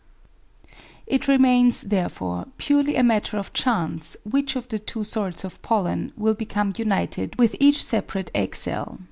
It remains, therefore, purely a matter of chance which of the two sorts of pollen will become united with each separate egg cell.